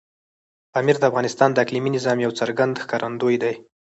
پامیر د افغانستان د اقلیمي نظام یو څرګند ښکارندوی دی.